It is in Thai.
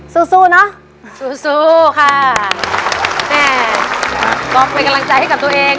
สู้สู้เนอะสู้สู้ค่ะแม่ก็เป็นกำลังใจให้กับตัวเอง